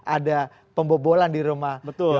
ada pembobolan di rumah